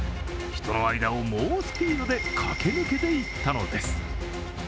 人の間を猛スピードで駆け抜けていったのです。